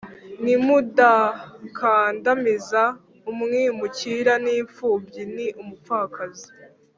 nimudakandamiza umwimukira n imfubyi n umupfakazi